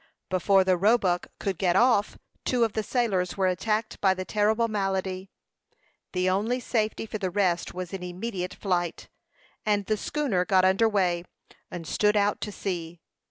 Before the Roebuck could get off, two of the sailors were attacked by the terrible malady. The only safety for the rest was in immediate flight; and the schooner got under way, and stood out to sea.